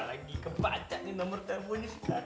lagi ke baca nomor teleponnya si karin